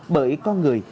bởi con người